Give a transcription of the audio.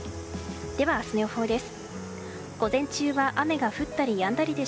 では明日の予報です。